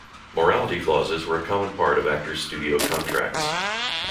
Morality clauses were a common part of actors' studio contracts.